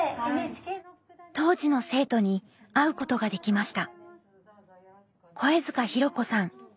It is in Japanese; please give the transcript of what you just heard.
当時の生徒に会うことができました。